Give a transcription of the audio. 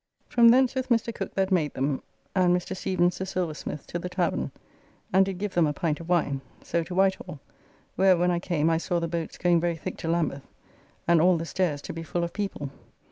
From thence with Mr. Cooke that made them, and Mr. Stephens the silversmith to the tavern, and did give them a pint of wine. So to White Hall, where when I came I saw the boats going very thick to Lambeth, and all the stairs to be full of people.